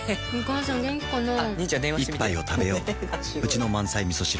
一杯をたべよううちの満菜みそ汁